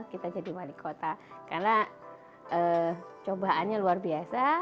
kita jadi wali kota karena cobaannya luar biasa